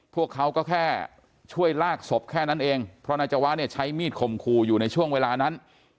พวกเขาก็แค่ช่วยลากศพแค่นั้นเองเพราะนายจวะเนี่ยใช้มีดข่มขู่อยู่ในช่วงเวลานั้น